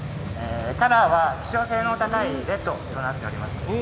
カラーは希少性の高いレッドとなっております。